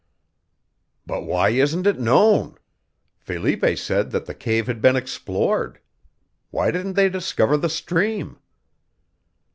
"But why isn't it known? Felipe said that the cave had been explored. Why didn't they discover the stream?"